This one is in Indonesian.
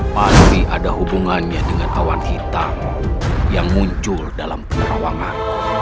pasti ada hubungannya dengan awan hitam yang muncul dalam penerawangan